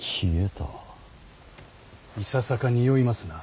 いささかにおいますな。